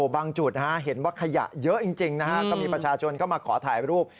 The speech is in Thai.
บางจุดเห็นว่าขยะเยอะจริงนะฮะก็มีประชาชนเข้ามาขอถ่ายรูป